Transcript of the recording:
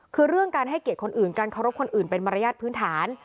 คือเรื่องการให้เกียรติคนอื่นการเคารพคนอื่นเป็นมารยาทพื้นฐาน